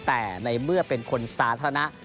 แต่ในเมื่อเป็นคนสาธารณะ